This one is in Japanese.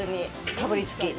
かぶりつきで。